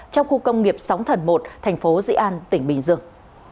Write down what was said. trong khu công nghiệp sóng thần một thành phố dị an tỉnh bình dương